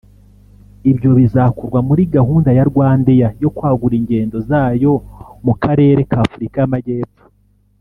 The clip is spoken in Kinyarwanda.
Ibyo bizakorwa muri gahunda ya RwandAir yo kwagura ingendo zayo mu karere ka Afurika y’Amajyepfo